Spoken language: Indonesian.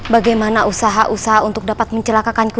bagaimana usaha usaha untuk dapat mencelakakanku